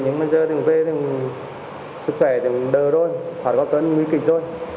nhưng bây giờ sức khỏe đều rồi khoảng một tuần nguy kịch thôi